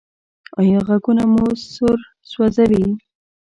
ایا غږونه مو سر ځوروي؟